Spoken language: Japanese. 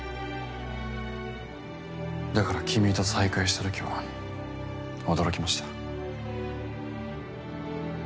だから君と再会したときは驚きました。